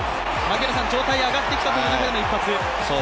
状態上がってきた中での一発。